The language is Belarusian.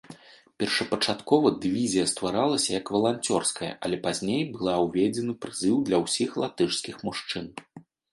Першапачаткова дывізія стваралася як валанцёрская, але пазней была ўведзены прызыў для ўсіх латышскіх мужчын.